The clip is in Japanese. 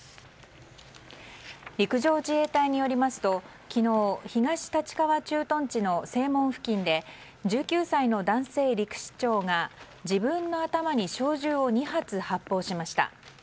陸上自衛隊によりますと昨日、東立川駐屯地の正門付近で１９歳の男性陸士長が自分の頭に小銃を２発発砲しました。